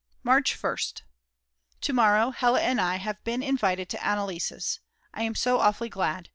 March 1st. To morrow Hella and I have been in vised to Anneliese's. I am so awfully glad.